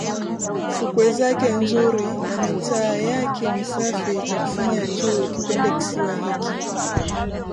Fukwe zake nzuri na mitaa yake misafi itakufanya tu ukipende kisiwa hiki